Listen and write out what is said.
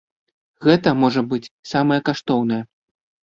Гэта, можа быць, самае каштоўнае.